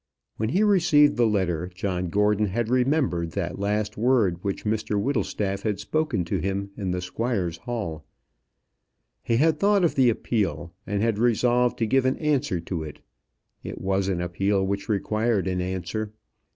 When he received the letter, John Gordon had remembered that last word which Mr Whittlestaff had spoken to him in the squire's hall. He had thought of the appeal, and had resolved to give an answer to it. It was an appeal which required an answer.